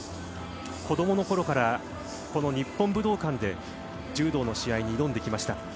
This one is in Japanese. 子供のころから日本武道館で柔道の試合に挑んできました。